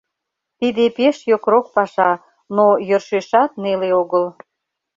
Тиде пеш йокрок паша, но йӧршешат неле огыл.